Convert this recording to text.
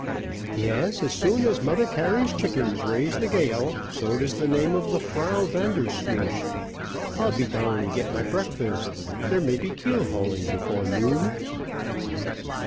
"Yes, as sure as Mother Carey's chickens raise the gale, so does the name of the Frau Vandersloosh. I'll be down and get my breakfast, there may be keel hauling before noon."